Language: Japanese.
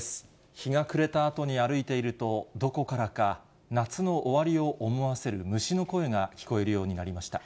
日が暮れたあとに歩いていると、どこからか夏の終わりを思わせる虫の声が聞こえるようになりました。